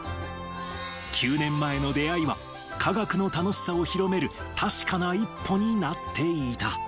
９年前の出会いは、科学の楽しさを広める、確かな一歩になっていた。